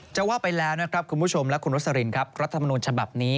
จะว่าไปแล้วนะครับคุณผู้ชมและคุณรสลินครับรัฐมนุนฉบับนี้